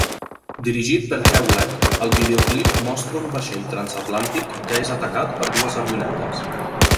Dirigit per Hewlett, el videoclip mostra un vaixell transatlàntic que és atacat per dues avionetes.